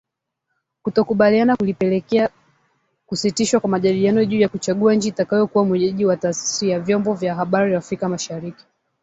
Kutokukubaliana kulipelekea kusitishwa kwa majadiliano juu ya kuchagua nchi itakayokuwa mwenyeji wa Taasisi ya Vyombo vya Habari Afrika Mashariki